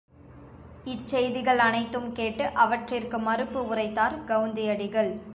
இச்செய்திகள் அனைத்தும் கேட்டு அவற்றிற்கு மறுப்பு உரைத்தார் கவுந்தி அடிகள்.